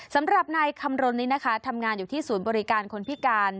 สำหรับนายคำรณนี้นะคะทำงานอยู่ที่ศูนย์บริการคนพิการ